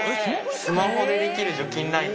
スマホでできる除菌ライト。